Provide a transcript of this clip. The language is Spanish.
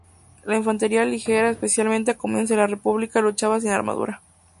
La infantería ligera, especialmente a comienzos de la república, luchaba sin armadura.